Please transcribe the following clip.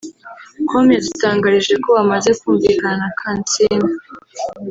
com yadutangarije ko bamaze kumvikana na Kansiime